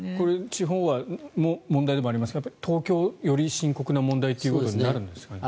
地方の問題でもありますが東京、より深刻な問題となるんですかね。